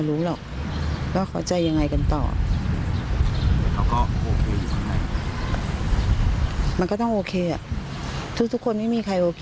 อืม